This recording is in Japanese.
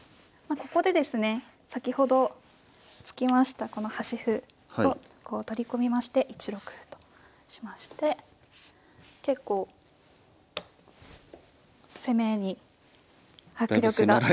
ここでですね先ほど突きましたこの端歩をこう取り込みまして１六歩としまして結構攻めに迫力が。